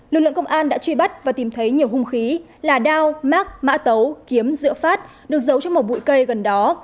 lực lượng công an đã truy bắt và tìm thấy nhiều hung khí là đao mát mã tấu kiếm rượu phát được giấu trong một bụi cây gần đó